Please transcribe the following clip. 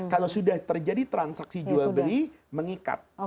kalau sudah terjadi transaksi jual beli mengikat